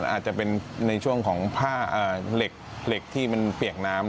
อาจจะเป็นในช่วงของผ้าเหล็กที่มันเปียกน้ำ